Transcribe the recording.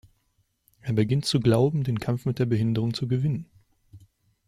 Er beginnt zu glauben, den Kampf mit der Behinderung zu gewinnen.